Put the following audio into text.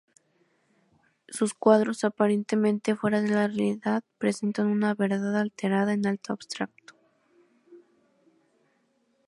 Sus cuadros aparentemente fuera de la realidad presentan una verdad alterada en algo abstracto.